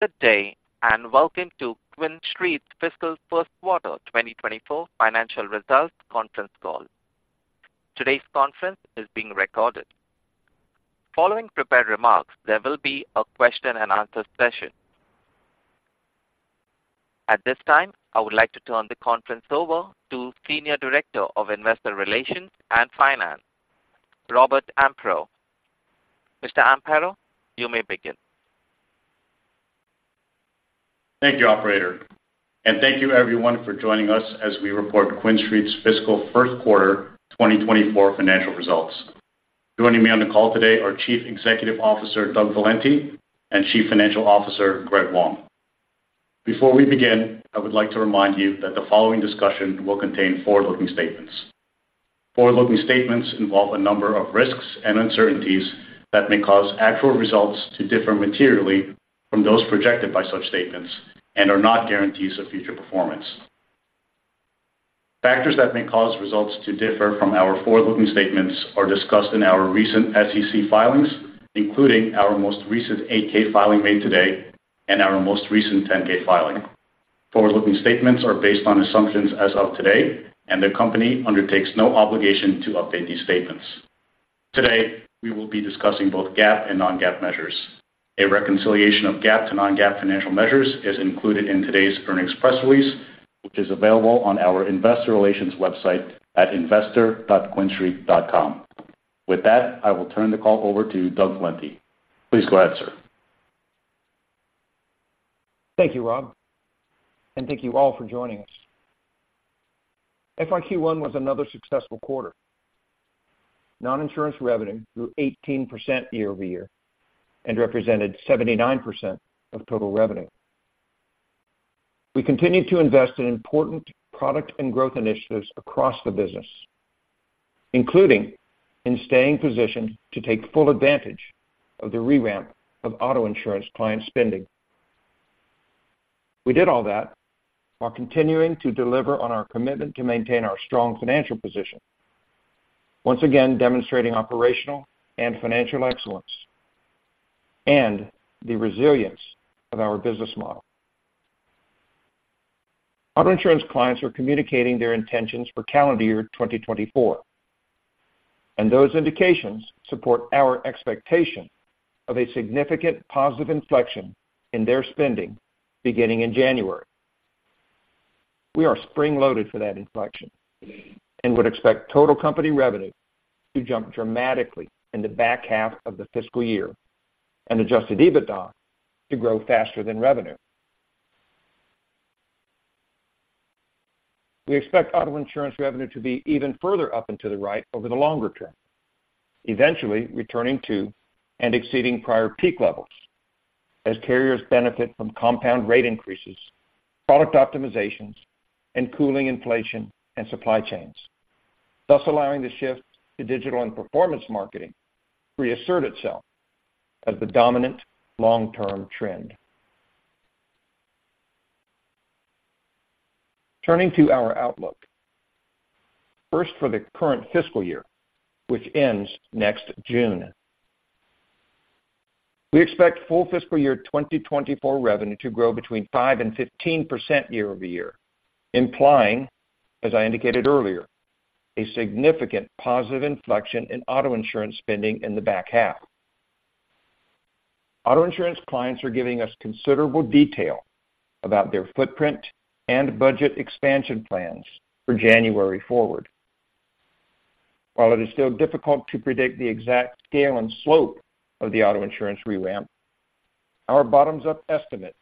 Good day, and welcome to QuinStreet's Fiscal First Quarter 2024 Financial Results Conference Call. Today's conference is being recorded. Following prepared remarks, there will be a question-and-answer session. At this time, I would like to turn the conference over to Senior Director of Investor Relations and Finance, Robert Amparo. Mr. Amparo, you may begin. Thank you, Operator, and thank you everyone for joining us as we report QuinStreet's fiscal first quarter 2024 financial results. Joining me on the call today are Chief Executive Officer, Doug Valenti, and Chief Financial Officer, Greg Wong. Before we begin, I would like to remind you that the following discussion will contain forward-looking statements. Forward-looking statements involve a number of risks and uncertainties that may cause actual results to differ materially from those projected by such statements and are not guarantees of future performance. Factors that may cause results to differ from our forward-looking statements are discussed in our recent SEC filings, including our most recent 8-K filing made today and our most recent 10-K filing. Forward-looking statements are based on assumptions as of today, and the company undertakes no obligation to update these statements. Today, we will be discussing both GAAP and non-GAAP measures. A reconciliation of GAAP to non-GAAP financial measures is included in today's earnings press release, which is available on our Investor Relations website at investor.quinstreet.com. With that, I will turn the call over to Doug Valenti. Please go ahead, sir. Thank you, Rob, and thank you all for joining us. FY Q1 was another successful quarter. Non-insurance revenue grew 18% year-over-year and represented 79% of total revenue. We continued to invest in important product and growth initiatives across the business, including in staying positioned to take full advantage of the re-ramp of auto insurance client spending. We did all that while continuing to deliver on our commitment to maintain our strong financial position, once again demonstrating operational and financial excellence and the resilience of our business model. Auto insurance clients are communicating their intentions for calendar year 2024, and those indications support our expectation of a significant positive inflection in their spending beginning in January. We are spring-loaded for that inflection and would expect total company revenue to jump dramatically in the back half of the fiscal year, and adjusted EBITDA to grow faster than revenue. We expect auto insurance revenue to be even further up and to the right over the longer term, eventually returning to and exceeding prior peak levels as carriers benefit from compound rate increases, product optimizations, and cooling inflation and supply chains, thus allowing the shift to digital and performance marketing reassert itself as the dominant long-term trend. Turning to our outlook. First, for the current fiscal year, which ends next June. We expect full fiscal year 2024 revenue to grow between 5% and 15% year-over-year, implying, as I indicated earlier, a significant positive inflection in auto insurance spending in the back half. Auto insurance clients are giving us considerable detail about their footprint and budget expansion plans for January forward. While it is still difficult to predict the exact scale and slope of the auto insurance re-ramp, our bottoms-up estimates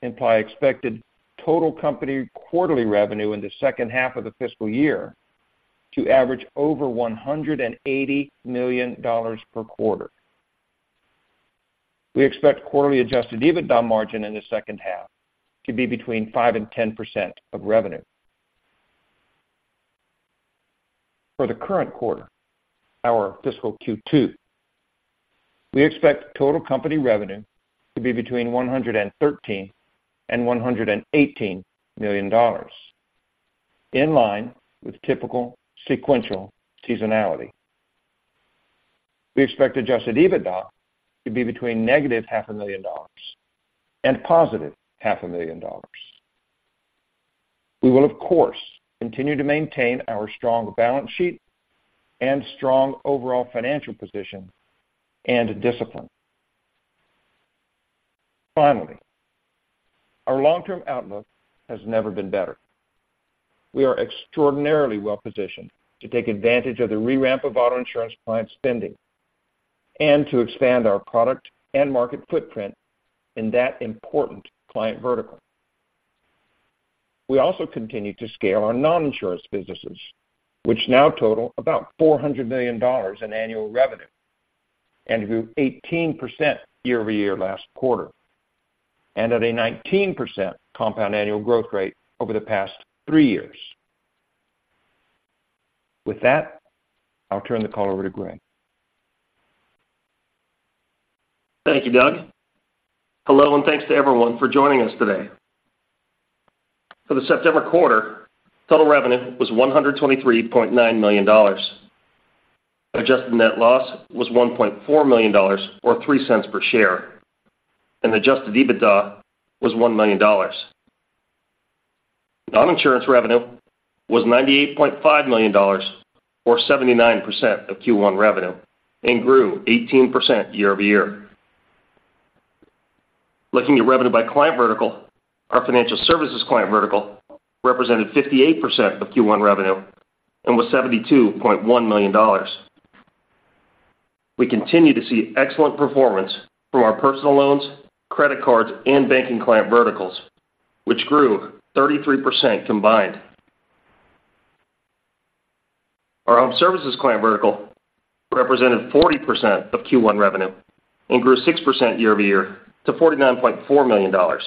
imply expected total company quarterly revenue in the second half of the fiscal year to average over $180 million per quarter. We expect quarterly adjusted EBITDA margin in the second half to be between 5%-10% of revenue. For the current quarter, our fiscal Q2, we expect total company revenue to be between $113 million and $118 million, in line with typical sequential seasonality. We expect adjusted EBITDA to be between -$500,000 and +$500,000. We will, of course, continue to maintain our strong balance sheet and strong overall financial position and discipline. Finally, our long-term outlook has never been better. We are extraordinarily well positioned to take advantage of the re-ramp of auto insurance client spending and to expand our product and market footprint in that important client vertical. We also continue to scale our non-insurance businesses, which now total about $400 million in annual revenue and grew 18% year-over-year last quarter, and at a 19% compound annual growth rate over the past three years. With that, I'll turn the call over to Greg. Thank you, Doug. Hello, and thanks to everyone for joining us today. For the September quarter, total revenue was $123.9 million. Adjusted net loss was $1.4 million or $0.03 per share, and adjusted EBITDA was $1 million. Non-insurance revenue was $98.5 million, or 79% of Q1 revenue, and grew 18% year-over-year. Looking at revenue by client vertical, our financial services client vertical represented 58% of Q1 revenue and was $72.1 million. We continue to see excellent performance from our personal loans, credit cards, and banking client verticals, which grew 33% combined. Our home services client vertical represented 40% of Q1 revenue and grew 6% year-over-year to $49.4 million. Our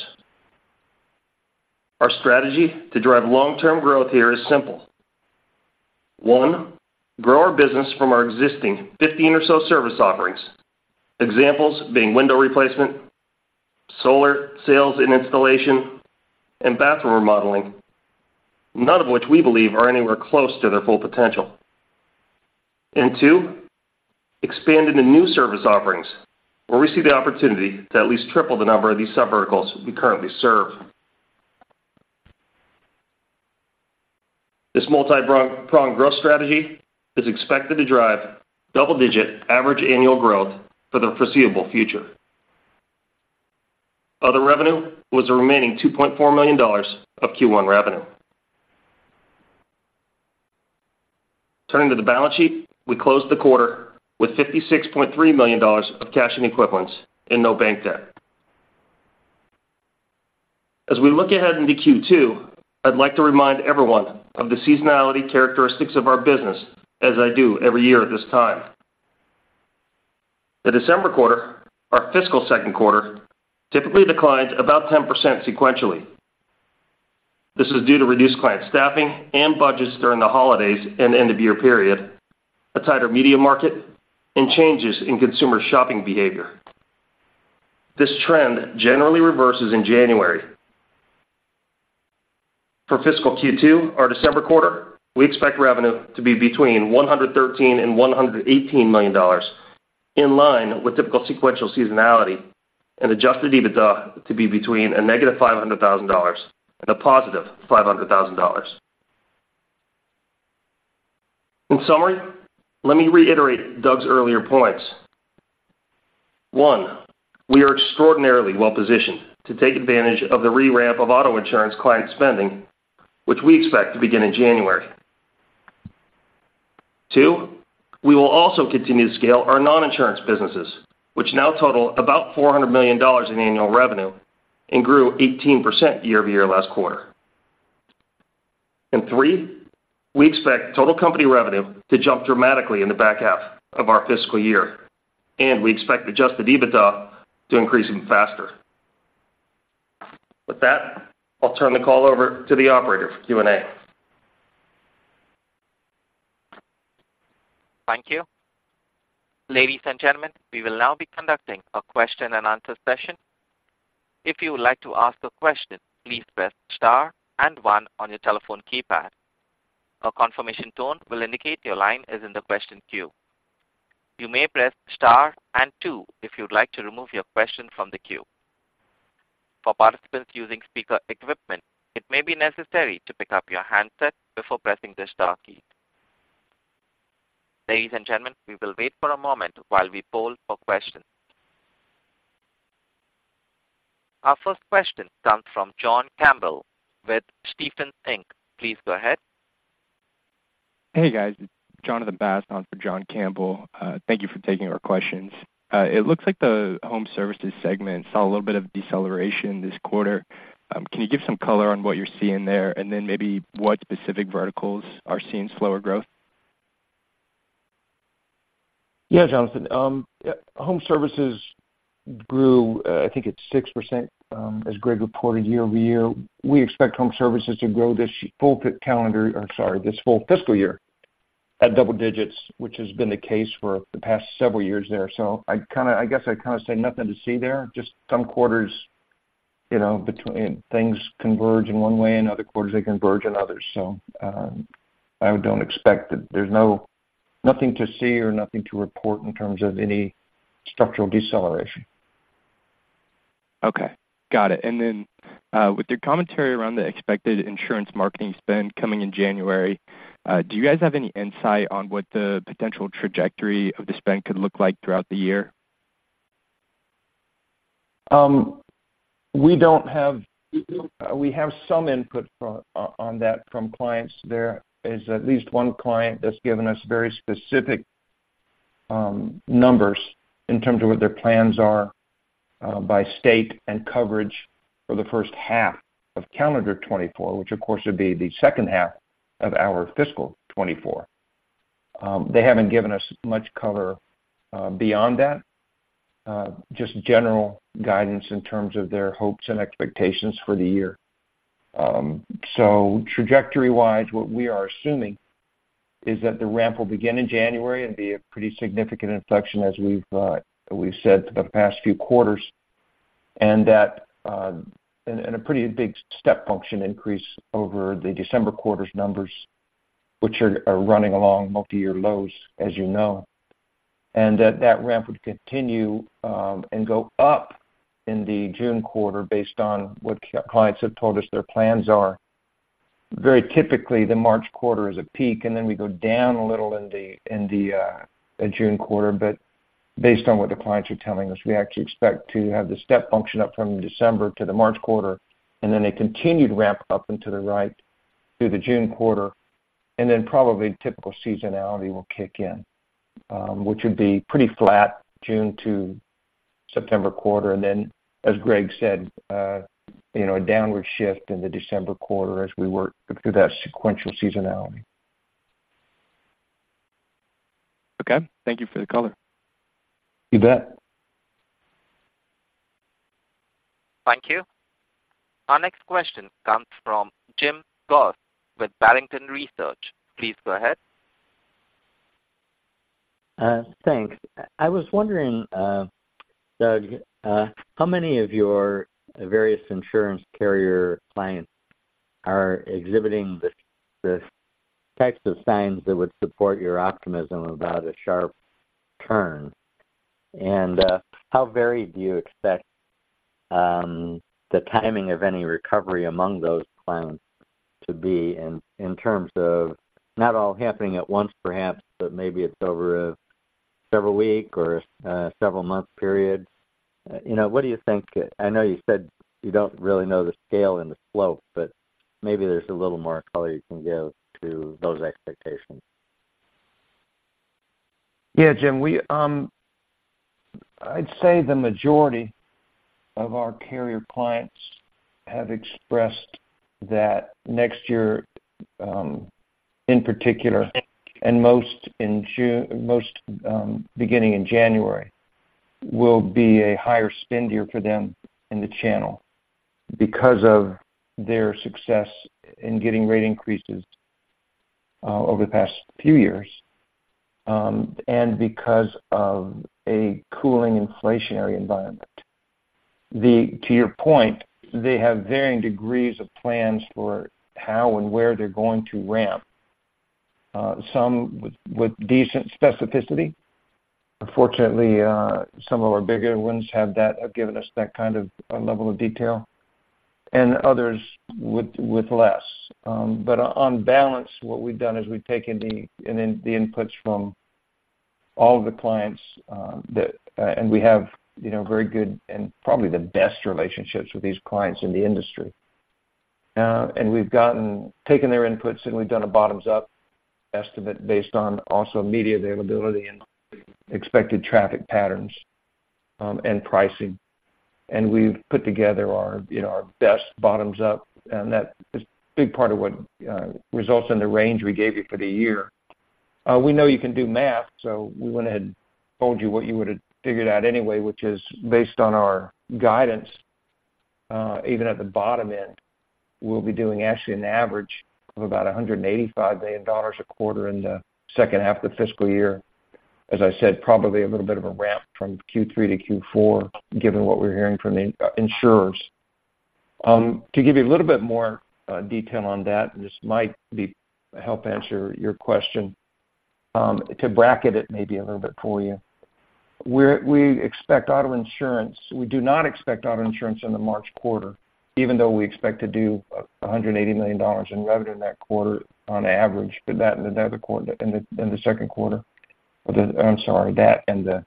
strategy to drive long-term growth here is simple. One, grow our business from our existing 15 or so service offerings, examples being window replacement, solar sales and installation, and bathroom remodeling, none of which we believe are anywhere close to their full potential. And two, expand into new service offerings, where we see the opportunity to at least triple the number of these subverticals we currently serve. This multi-prong growth strategy is expected to drive double-digit average annual growth for the foreseeable future. Other revenue was the remaining $2.4 million of Q1 revenue. Turning to the balance sheet, we closed the quarter with $56.3 million of cash and equivalents and no bank debt. As we look ahead into Q2, I'd like to remind everyone of the seasonality characteristics of our business, as I do every year at this time. The December quarter, our fiscal second quarter, typically declines about 10% sequentially. This is due to reduced client staffing and budgets during the holidays and end-of-year period, a tighter media market, and changes in consumer shopping behavior. This trend generally reverses in January. For fiscal Q2, our December quarter, we expect revenue to be between $113 million and $118 million, in line with typical sequential seasonality and adjusted EBITDA to be between -$500,000 and +$500,000. In summary, let me reiterate Doug's earlier points. One, we are extraordinarily well positioned to take advantage of the re-ramp of auto insurance client spending, which we expect to begin in January. Two, we will also continue to scale our non-insurance businesses, which now total about $400 million in annual revenue and grew 18% year-over-year last quarter. And three, we expect total company revenue to jump dramatically in the back half of our fiscal year, and we expect adjusted EBITDA to increase even faster. With that, I'll turn the call over to the Operator for Q&A. Thank you. Ladies and gentlemen, we will now be conducting a question-and-answer session. If you would like to ask a question, please press star and one on your telephone keypad. A confirmation tone will indicate your line is in the question queue. You may press star and two if you'd like to remove your question from the queue. For participants using speaker equipment, it may be necessary to pick up your handset before pressing the star key. Ladies and gentlemen, we will wait for a moment while we poll for questions. Our first question comes from John Campbell with Stephens Inc. Please go ahead. Hey, guys. It's Jonathan Bass on for John Campbell. Thank you for taking our questions. It looks like the Home Services segment saw a little bit of deceleration this quarter. Can you give some color on what you're seeing there, and then maybe what specific verticals are seeing slower growth? Yeah, Jonathan, yeah, Home Services grew, I think it's 6%, as Greg reported, year-over-year. We expect Home Services to grow this full calendar, or sorry, this full fiscal year at double digits, which has been the case for the past several years there. So I kind of, I guess I'd kind of say nothing to see there. Just some quarters, you know, between things converge in one way, and other quarters, they converge in others. So, I don't expect that, there's nothing to see or nothing to report in terms of any structural deceleration. Okay, got it. And then, with your commentary around the expected insurance marketing spend coming in January, do you guys have any insight on what the potential trajectory of the spend could look like throughout the year? We don't have... We have some input from, on, on that from clients. There is at least one client that's given us very specific numbers in terms of what their plans are by state and coverage for the first half of calendar 2024, which of course would be the second half of our fiscal 2024. They haven't given us much color beyond that, just general guidance in terms of their hopes and expectations for the year. So trajectory-wise, what we are assuming... is that the ramp will begin in January and be a pretty significant inflection, as we've said for the past few quarters, and that a pretty big step function increase over the December quarter's numbers, which are running along multi-year lows, as you know, and that ramp would continue, and go up in the June quarter based on what clients have told us their plans are. Very typically, the March quarter is a peak, and then we go down a little in the June quarter. But based on what the clients are telling us, we actually expect to have the step function up from the December to the March quarter, and then a continued ramp up into the right through the June quarter, and then probably typical seasonality will kick in. which would be pretty flat, June to September quarter. And then, as Greg said, you know, a downward shift in the December quarter as we work through that sequential seasonality. Okay. Thank you for the color. You bet. Thank you. Our next question comes from Jim Goss with Barrington Research. Please go ahead. Thanks. I was wondering, Doug, how many of your various insurance carrier clients are exhibiting the types of signs that would support your optimism about a sharp turn? And, how varied do you expect the timing of any recovery among those clients to be in terms of not all happening at once, perhaps, but maybe it's over a several week or several month period? You know, what do you think? I know you said you don't really know the scale and the slope, but maybe there's a little more color you can give to those expectations. Yeah, Jim, we, I'd say the majority of our carrier clients have expressed that next year, in particular, and most beginning in January, will be a higher spend year for them in the channel because of their success in getting rate increases over the past few years, and because of a cooling inflationary environment. To your point, they have varying degrees of plans for how and where they're going to ramp. Some with decent specificity. Unfortunately, some of our bigger ones have that, have given us that kind of a level of detail, and others with less. But on balance, what we've done is we've taken the inputs from all the clients, and we have, you know, very good and probably the best relationships with these clients in the industry. We've taken their inputs, and we've done a bottoms-up estimate based on also media availability and expected traffic patterns, and pricing. We've put together our, you know, our best bottoms-up, and that is a big part of what results in the range we gave you for the year. We know you can do math, so we went ahead and told you what you would have figured out anyway, which is based on our guidance, even at the bottom end, we'll be doing actually an average of about $185 million a quarter in the second half of the fiscal year. As I said, probably a little bit of a ramp from Q3 to Q4, given what we're hearing from the insurers. To give you a little bit more detail on that, this might be help answer your question, to bracket it maybe a little bit for you. We expect auto insurance. We do not expect auto insurance in the March quarter, even though we expect to do $180 million in revenue in that quarter on average, but that in the other quarter, in the, in the second quarter, or the, I'm sorry, that in the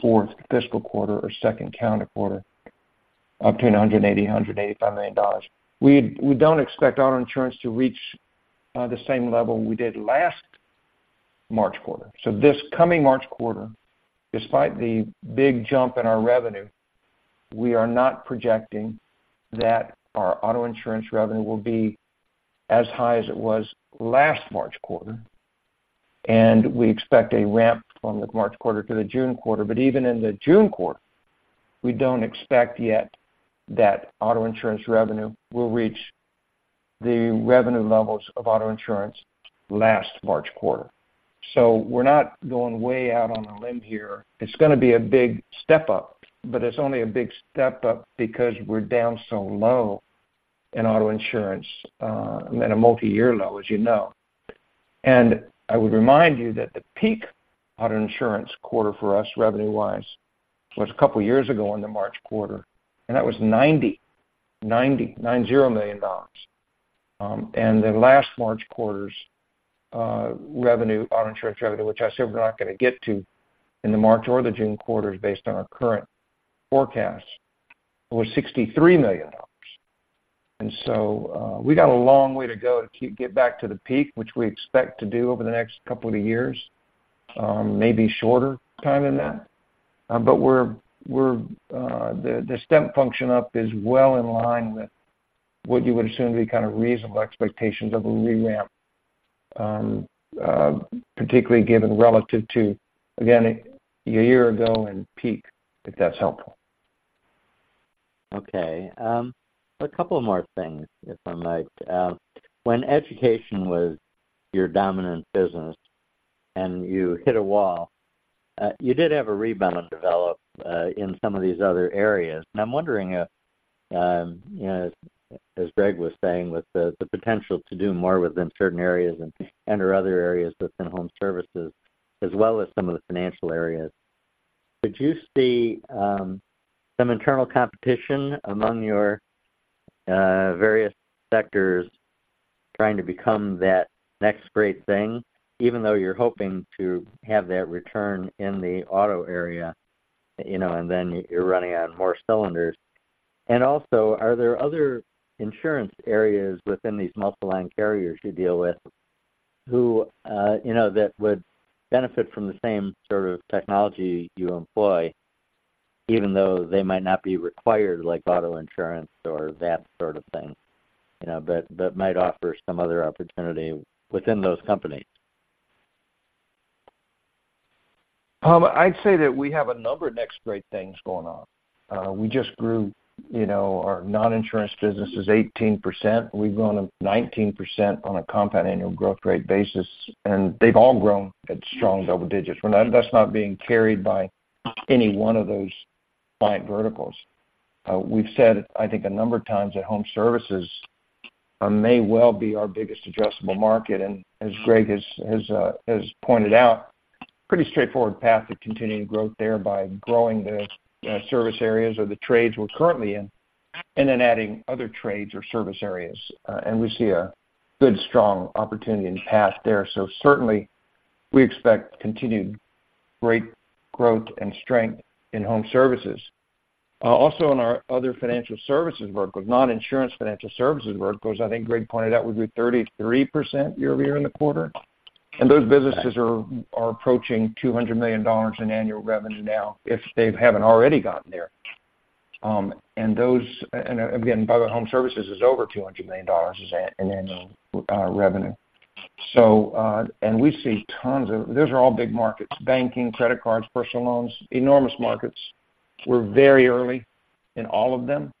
fourth fiscal quarter or second calendar quarter, up to $180 million-$185 million. We don't expect auto insurance to reach the same level we did last March quarter. So this coming March quarter, despite the big jump in our revenue, we are not projecting that our auto insurance revenue will be as high as it was last March quarter, and we expect a ramp from the March quarter to the June quarter. But even in the June quarter, we don't expect yet that auto insurance revenue will reach the revenue levels of auto insurance last March quarter. So we're not going way out on a limb here. It's going to be a big step up, but it's only a big step up because we're down so low in auto insurance, at a multi-year low, as you know. And I would remind you that the peak auto insurance quarter for us, revenue-wise, was a couple of years ago in the March quarter, and that was $99.0 million. And the last March quarter's revenue, auto insurance revenue, which I said we're not going to get to in the March or the June quarters based on our current forecast, was $63 million. And so, we got a long way to go to get back to the peak, which we expect to do over the next couple of years, maybe shorter time than that. But the step function up is well in line with what you would assume to be kind of reasonable expectations of a re-ramp, particularly given relative to, again, a year ago and peak, if that's helpful.... Okay. A couple more things, if I might. When education was your dominant business and you hit a wall, you did have a rebound develop in some of these other areas. And I'm wondering if, you know, as, as Greg was saying, with the, the potential to do more within certain areas and, and/or other areas within home services, as well as some of the financial areas, could you see some internal competition among your various sectors trying to become that next great thing, even though you're hoping to have that return in the auto area, you know, and then you're running on more cylinders? And also, are there other insurance areas within these multi-line carriers you deal with who, you know, that would benefit from the same sort of technology you employ, even though they might not be required, like auto insurance or that sort of thing, you know, but that might offer some other opportunity within those companies? I'd say that we have a number of next great things going on. We just grew, you know, our non-insurance business 18%. We've grown them 19% on a compound annual growth rate basis, and they've all grown at strong double digits. That's not being carried by any one of those client verticals. We've said, I think a number of times, that home services may well be our biggest adjustable market. And as Greg has pointed out, pretty straightforward path to continuing growth there by growing the service areas or the trades we're currently in, and then adding other trades or service areas. And we see a good, strong opportunity in the path there. So certainly, we expect continued great growth and strength in home services. Also in our other financial services verticals, non-insurance financial services verticals, I think Greg pointed out, we grew 33% year-over-year in the quarter. And those businesses are approaching $200 million in annual revenue now, if they haven't already gotten there. And those, and again, the home services is over $200 million in annual revenue. So, and we see tons of... Those are all big markets, banking, credit cards, personal loans, enormous markets. We're very early in all of them.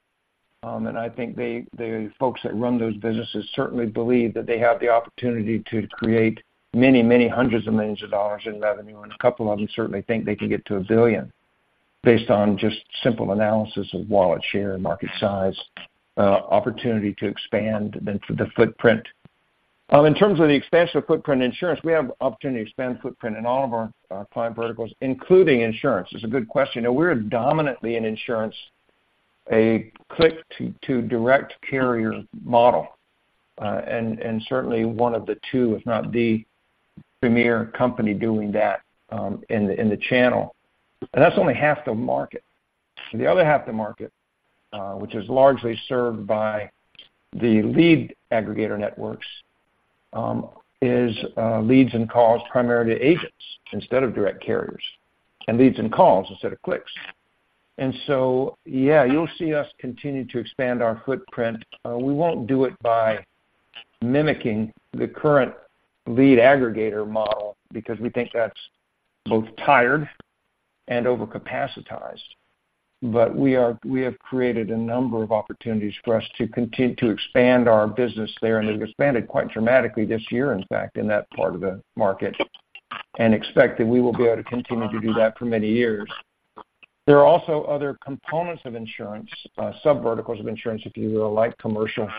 And I think the folks that run those businesses certainly believe that they have the opportunity to create many hundreds of millions of dollars in revenue, and a couple of them certainly think they can get to $1 billion, based on just simple analysis of wallet share, market size, opportunity to expand the footprint. In terms of the expansion of footprint insurance, we have opportunity to expand footprint in all of our client verticals, including insurance. It's a good question. Now, we're dominantly in insurance, a click to direct carrier model, and certainly one of the two, if not the premier company doing that, in the channel. And that's only half the market. The other half the market, which is largely served by the lead aggregator networks, is leads and calls primarily to agents instead of direct carriers, and leads and calls instead of clicks. You'll see us continue to expand our footprint. We won't do it by mimicking the current lead aggregator model because we think that's both tired and over-capacitized. We have created a number of opportunities for us to continue to expand our business there, and we've expanded quite dramatically this year, in fact, in that part of the market, and expect that we will be able to continue to do that for many years. There are also other components of insurance, sub verticals of insurance, if you will, like commercial,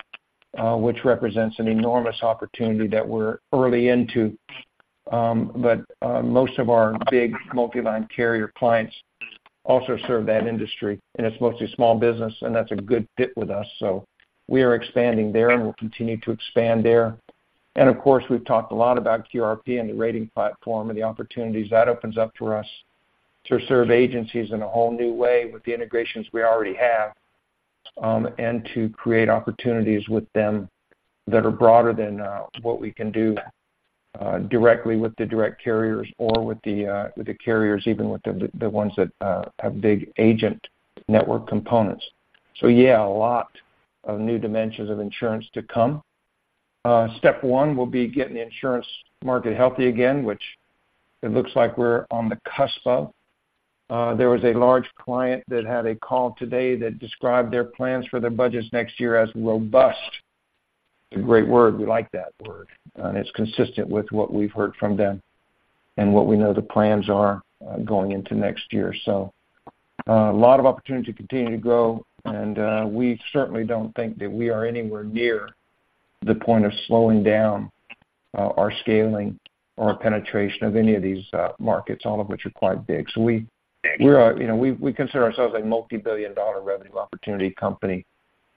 which represents an enormous opportunity that we're early into. But most of our big multi-line carrier clients also serve that industry, and it's mostly small business, and that's a good fit with us. So we are expanding there, and we'll continue to expand there. And of course, we've talked a lot about QRP and the rating platform and the opportunities that opens up to us to serve agencies in a whole new way with the integrations we already have, and to create opportunities with them that are broader than what we can do directly with the direct carriers or with the carriers, even with the ones that have big agent network components. So yeah, a lot of new dimensions of insurance to come. Step one will be getting the insurance market healthy again, which it looks like we're on the cusp of. There was a large client that had a call today that described their plans for their budgets next year as robust. It's a great word. We like that word, and it's consistent with what we've heard from them and what we know the plans are, going into next year. So, a lot of opportunity to continue to grow, and, we certainly don't think that we are anywhere near the point of slowing down, our scaling or penetration of any of these, markets, all of which are quite big. So we—we are, you know, we, we consider ourselves a multi-billion dollar revenue opportunity company,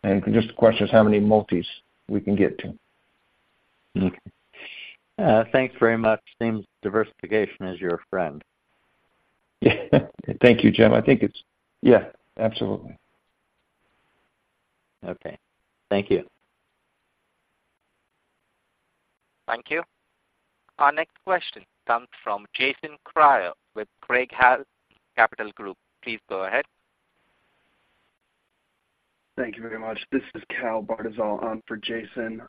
and just the question is how many multis we can get to. Okay. Thanks very much. Seems diversification is your friend. Thank you, Jim. I think it's... Yeah, absolutely. Okay. Thank you. Thank you. Our next question comes from Jason Kreyer with Craig-Hallum Capital Group. Please go ahead. Thank you very much. This is Cal Bartyzal for Jason.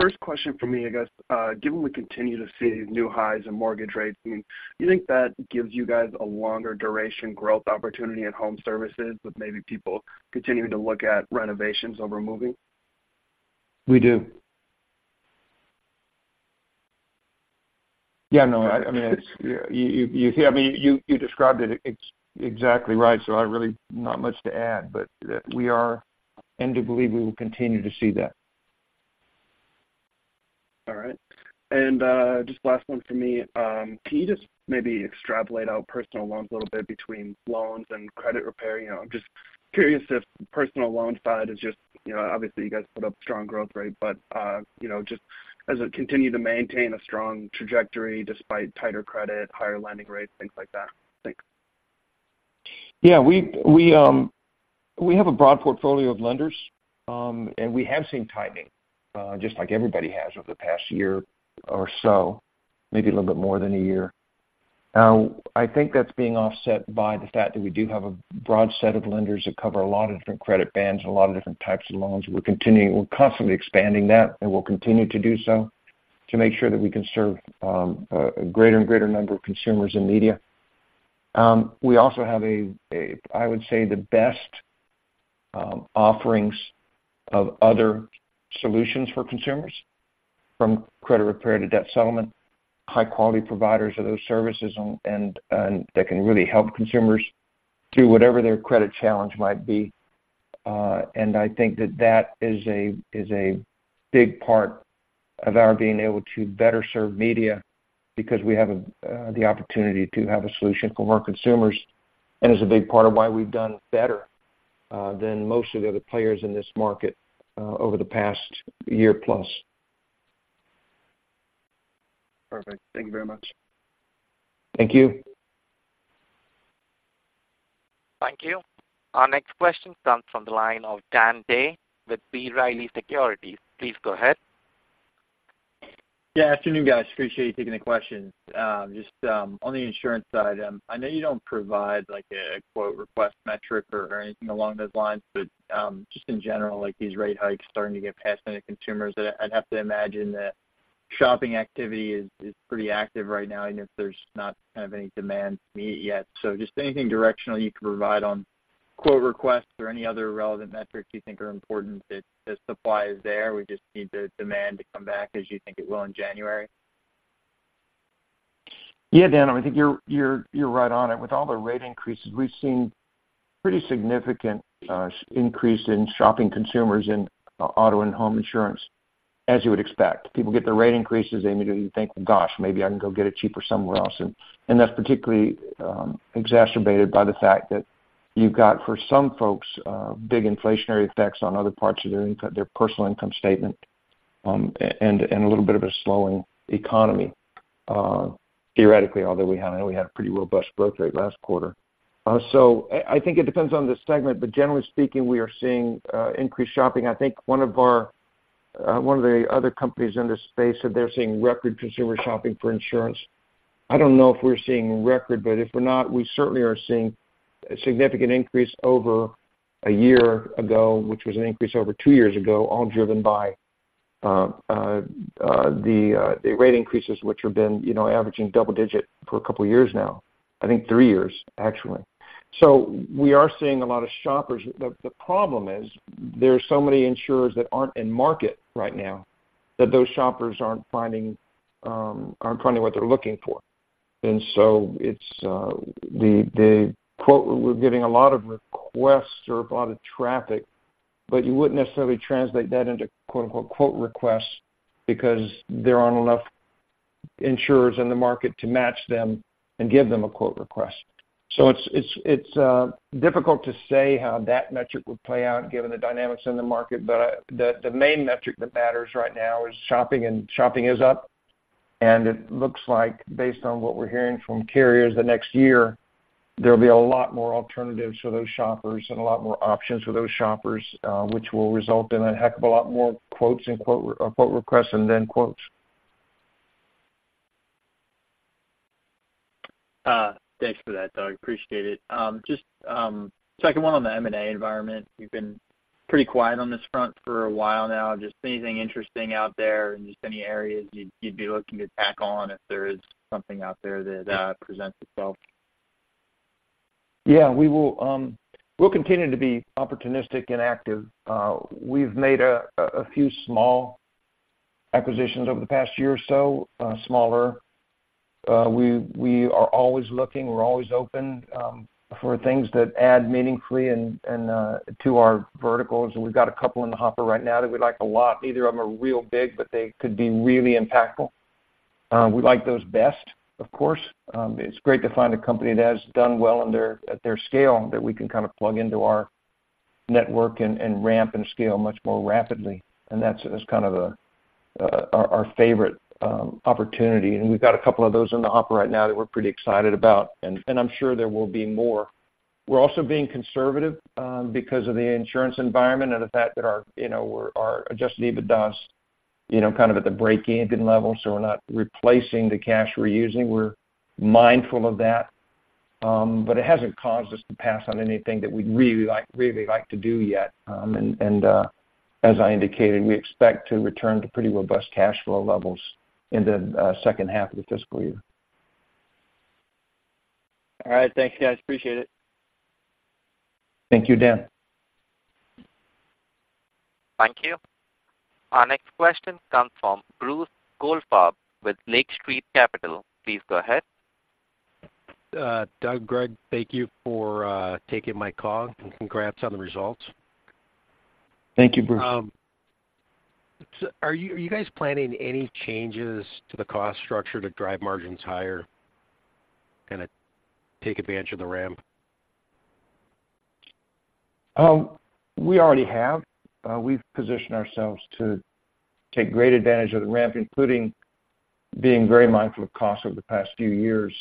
First question for me, I guess, given we continue to see new highs in mortgage rates, do you, do you think that gives you guys a longer duration growth opportunity at home services, with maybe people continuing to look at renovations over moving? We do. Yeah, no, I mean, it's you, I mean, you described it exactly right, so I really... Not much to add, but, we are, and do believe we will continue to see that. All right. And, just last one for me. Can you just maybe extrapolate out personal loans a little bit between loans and credit repair? You know, I'm just curious if personal loans side is just, you know, obviously, you guys put up strong growth rate, but, you know, just does it continue to maintain a strong trajectory despite tighter credit, higher lending rates, things like that? Thanks. Yeah, we have a broad portfolio of lenders. And we have seen tightening, just like everybody has over the past year or so, maybe a little bit more than a year. Now, I think that's being offset by the fact that we do have a broad set of lenders that cover a lot of different credit bands and a lot of different types of loans. We're constantly expanding that, and we'll continue to do so, to make sure that we can serve a greater and greater number of consumers in media. We also have, I would say, the best offerings of other solutions for consumers, from credit repair to debt settlement, high quality providers of those services, and that can really help consumers through whatever their credit challenge might be. I think that is a big part of our being able to better serve media, because we have the opportunity to have a solution for more consumers, and is a big part of why we've done better than most of the other players in this market over the past year plus. Perfect. Thank you very much. Thank you. Thank you. Our next question comes from the line of Dan Day with B. Riley Securities. Please go ahead. Yeah, afternoon, guys. Appreciate you taking the questions. Just on the insurance side, I know you don't provide like a quote request metric or anything along those lines, but just in general, like these rate hikes starting to get passed on to consumers, I'd have to imagine that shopping activity is pretty active right now, even if there's not kind of any demand to meet yet. So just anything directional you can provide on quote requests or any other relevant metrics you think are important, that the supply is there, we just need the demand to come back, as you think it will in January? Yeah, Dan, I think you're right on it. With all the rate increases, we've seen pretty significant increase in shopping consumers in auto and home insurance, as you would expect. People get their rate increases, they immediately think, "Gosh, maybe I can go get it cheaper somewhere else." And that's particularly exacerbated by the fact that you've got, for some folks, big inflationary effects on other parts of their income statement, and a little bit of a slowing economy, theoretically, although we had, I know we had a pretty robust growth rate last quarter. So I think it depends on the segment, but generally speaking, we are seeing increased shopping. I think one of the other companies in this space said they're seeing record consumer shopping for insurance. I don't know if we're seeing record, but if we're not, we certainly are seeing a significant increase over a year ago, which was an increase over two years ago, all driven by the rate increases, which have been, you know, averaging double digit for a couple of years now. I think three years, actually. So we are seeing a lot of shoppers. The problem is, there are so many insurers that aren't in market right now, that those shoppers aren't finding what they're looking for. And so it's the quote. We're getting a lot of requests or a lot of traffic, but you wouldn't necessarily translate that into quote, unquote, quote requests, because there aren't enough insurers in the market to match them and give them a quote request. So it's difficult to say how that metric would play out, given the dynamics in the market. But the main metric that matters right now is shopping, and shopping is up. And it looks like, based on what we're hearing from carriers, the next year, there'll be a lot more alternatives for those shoppers and a lot more options for those shoppers, which will result in a heck of a lot more quotes and quote requests and then quotes. Thanks for that, Doug. Appreciate it. Just second one on the M&A environment. You've been pretty quiet on this front for a while now. Just anything interesting out there, and just any areas you'd, you'd be looking to tack on if there is something out there that presents itself? Yeah, we will, we'll continue to be opportunistic and active. We've made a few small acquisitions over the past year or so, smaller. We are always looking, we're always open, for things that add meaningfully and to our verticals. And we've got a couple in the hopper right now that we like a lot. Neither of them are real big, but they could be really impactful. We like those best, of course. It's great to find a company that has done well in their-- at their scale, that we can kind of plug into our network and ramp and scale much more rapidly. And that's kind of our favorite opportunity. We've got a couple of those in the hopper right now that we're pretty excited about, and I'm sure there will be more. We're also being conservative because of the insurance environment and the fact that our, you know, our adjusted EBITDA is, you know, kind of at the breakeven level, so we're not replacing the cash we're using. We're mindful of that, but it hasn't caused us to pass on anything that we'd really like, really like to do yet. As I indicated, we expect to return to pretty robust cash flow levels in the second half of the fiscal year. All right. Thanks, guys. Appreciate it. Thank you, Dan. Thank you. Our next question comes from Bruce Goldfarb with Lake Street Capital. Please go ahead. Doug, Greg, thank you for taking my call, and congrats on the results. Thank you, Bruce. So are you, are you guys planning any changes to the cost structure to drive margins higher, kind of take advantage of the ramp? We already have. We've positioned ourselves to take great advantage of the ramp, including being very mindful of cost over the past few years.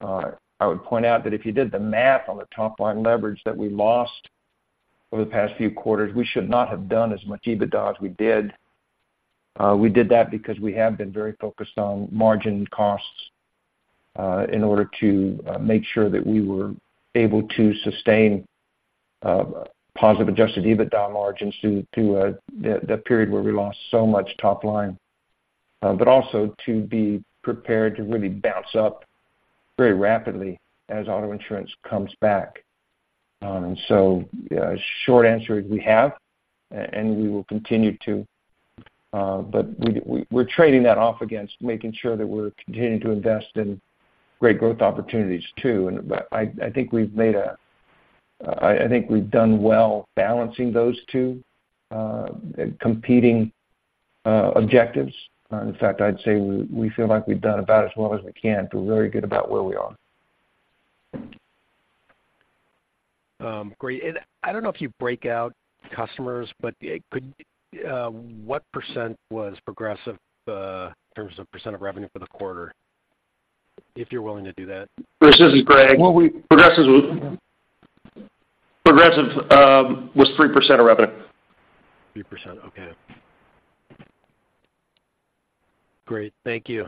I would point out that if you did the math on the top-line leverage that we lost over the past few quarters, we should not have done as much EBITDA as we did. We did that because we have been very focused on margin costs, in order to make sure that we were able to sustain positive adjusted EBITDA margins through the period where we lost so much top line. But also to be prepared to really bounce up very rapidly as auto insurance comes back. So, short answer is we have, and we will continue to, but we're trading that off against making sure that we're continuing to invest in great growth opportunities, too. But I think we've done well balancing those two competing objectives. In fact, I'd say we feel like we've done about as well as we can. Feel very good about where we are. Great. And I don't know if you break out customers, but could what percent was progressive in terms of percent of revenue for the quarter? If you're willing to do that. This is Greg. Well, we- Progressive was 3% of revenue. 3%. Okay. Great. Thank you.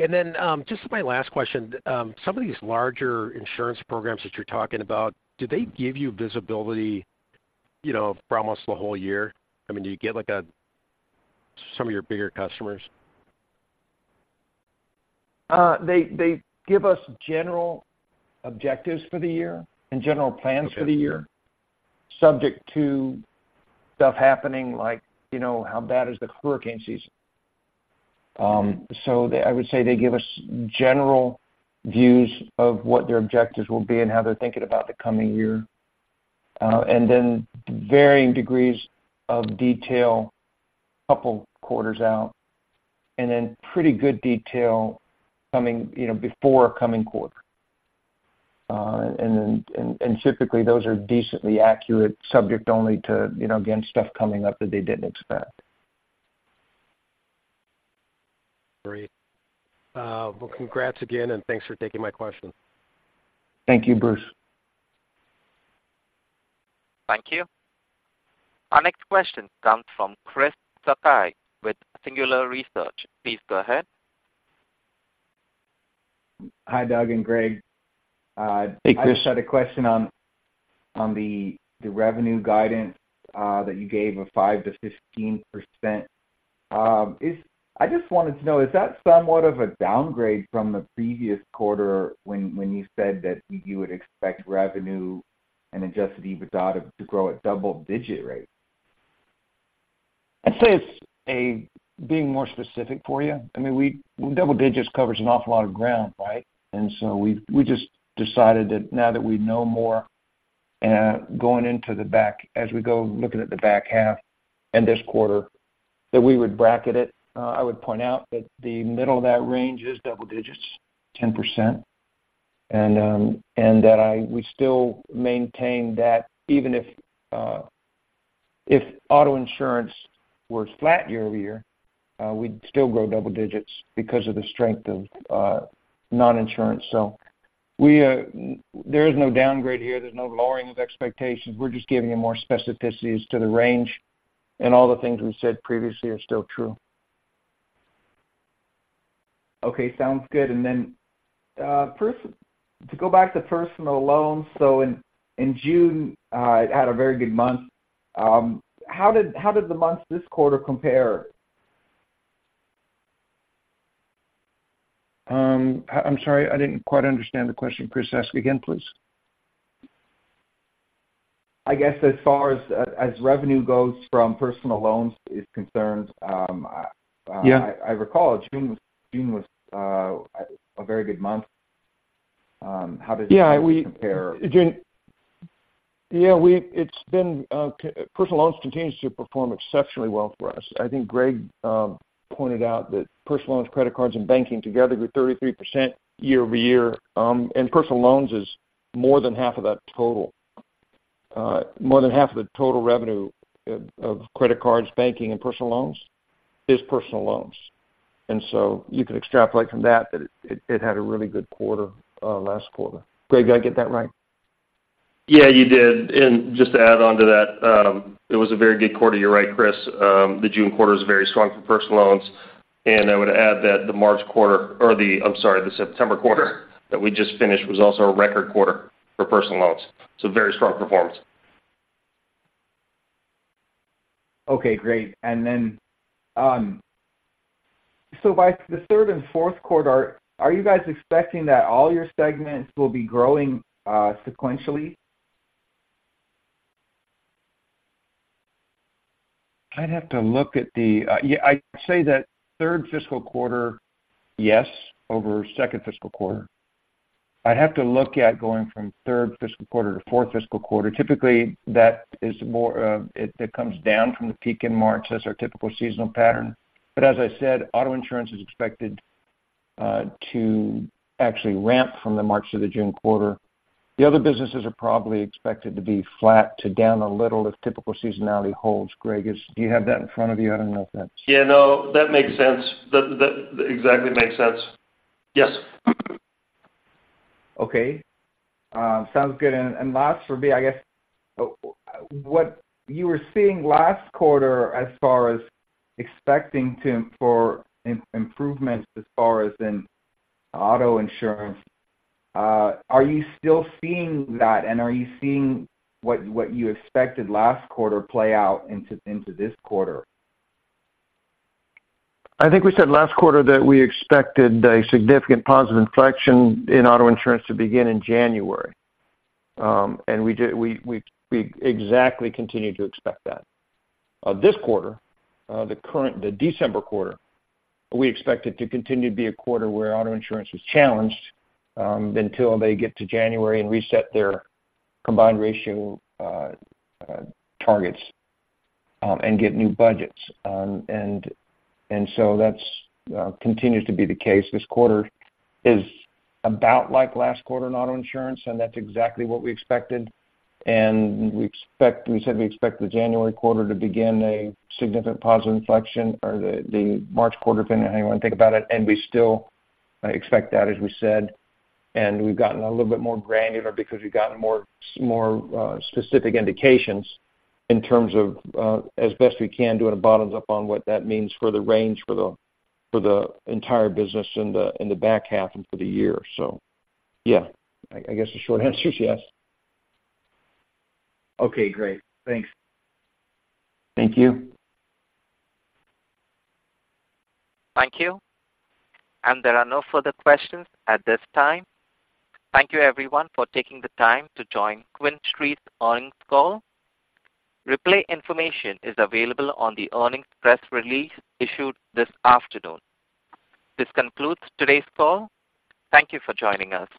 And then, just my last question. Some of these larger insurance programs that you're talking about, do they give you visibility, you know, for almost the whole year? I mean, do you get, like, some of your bigger customers? They give us general objectives for the year and general plans for the year- Okay. - subject to stuff happening, like, you know, how bad is the hurricane season? So they, I would say they give us general views of what their objectives will be and how they're thinking about the coming year, and then varying degrees of detail couple quarters out, and then pretty good detail coming, you know, before a coming quarter. And then, and, and typically, those are decently accurate, subject only to, you know, again, stuff coming up that they didn't expect. Great. Well, congrats again, and thanks for taking my question. Thank you, Bruce. Thank you. Our next question comes from Chris Sakai with Singular Research. Please go ahead. Hi, Doug and Greg. Hey, Chris. I just had a question on the revenue guidance that you gave of 5%-15%. I just wanted to know, is that somewhat of a downgrade from the previous quarter when you said that you would expect revenue and adjusted EBITDA to grow at double-digit rate? I'd say it's about being more specific for you. I mean, double digits covers an awful lot of ground, right? And so we just decided that now that we know more going into the back half, as we go looking at the back half and this quarter, that we would bracket it. I would point out that the middle of that range is double digits, 10%, and that we still maintain that even if auto insurance were flat year-over-year, we'd still grow double digits because of the strength of non-insurance. So there is no downgrade here. There's no lowering of expectations. We're just giving you more specificities to the range, and all the things we said previously are still true. Okay. Sounds good. And then, first, to go back to personal loans, so in June, it had a very good month. How did the months this quarter compare? I'm sorry, I didn't quite understand the question. Chris, ask again, please. I guess, as far as revenue goes from personal loans is concerned, Yeah. I recall June was a very good month. How does- Yeah, we- - compare? Yeah, It's been personal loans continues to perform exceptionally well for us. I think Greg pointed out that personal loans, credit cards, and banking together grew 33% year-over-year. And personal loans is more than half of that total. More than half of the total revenue of credit cards, banking, and personal loans is personal loans. And so you can extrapolate from that, that it, it, it had a really good quarter last quarter. Greg, did I get that right? ... Yeah, you did. And just to add on to that, it was a very good quarter. You're right, Chris. The June quarter is very strong for personal loans, and I would add that the March quarter or the, I'm sorry, the September quarter that we just finished, was also a record quarter for personal loans. So very strong performance. Okay, great. So by the third and fourth quarter, are you guys expecting that all your segments will be growing sequentially? I'd have to look at the, yeah, I'd say that third fiscal quarter, yes, over second fiscal quarter. I'd have to look at going from third fiscal quarter to fourth fiscal quarter. Typically, that is more, it comes down from the peak in March. That's our typical seasonal pattern. But as I said, auto insurance is expected to actually ramp from the March to the June quarter. The other businesses are probably expected to be flat to down a little, if typical seasonality holds. Greg, do you have that in front of you? I don't know if that's- Yeah, no, that makes sense. That, that exactly makes sense. Yes. Okay, sounds good. And, and last for me, I guess, what you were seeing last quarter as far as expecting to, for improvements as far as in auto insurance, are you still seeing that? And are you seeing what, what you expected last quarter play out into, into this quarter? I think we said last quarter that we expected a significant positive inflection in auto insurance to begin in January. I think we did, we exactly continue to expect that. This quarter, the current, the December quarter, we expect it to continue to be a quarter where auto insurance is challenged, until they get to January and reset their combined ratio targets, and get new budgets. That continues to be the case. This quarter is about like last quarter in auto insurance, and that's exactly what we expected, and we expect—we said we expect the January quarter to begin a significant positive inflection, or the March quarter, depending on how you want to think about it. And we still expect that, as we said, and we've gotten a little bit more granular because we've gotten more, more, specific indications in terms of, as best we can, doing a bottoms up on what that means for the range for the, for the entire business in the, in the back half and for the year. So yeah, I, I guess the short answer is yes. Okay, great. Thanks. Thank you. Thank you. There are no further questions at this time. Thank you, everyone, for taking the time to join QuinStreet's earnings call. Replay information is available on the earnings press release issued this afternoon. This concludes today's call. Thank you for joining us.